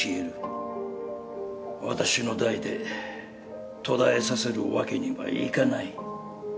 私の代で途絶えさせるわけにはいかない。